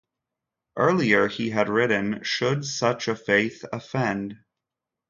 Earlier he had written Should Such a Faith Offend?